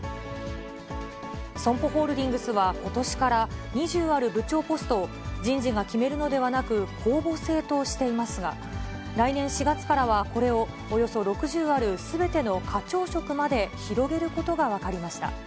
ソンポホールディングスは、ことしから、２０ある部長ポストを、人事が決めるのではなく、公募制としていますが、来年４月からはこれを、およそ６０ある、すべての課長職まで広げることが分かりました。